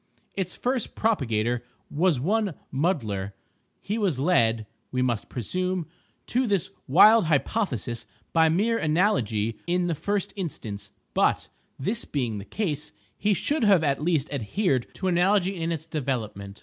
Its first propagator was one Mudler. He was led, we must presume, to this wild hypothesis by mere analogy in the first instance; but, this being the case, he should have at least adhered to analogy in its development.